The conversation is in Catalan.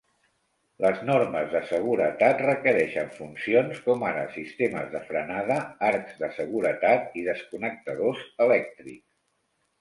Les normes de seguretat requereixen funcions com ara sistemes de frenada, arcs de seguretat i desconnectadors elèctrics.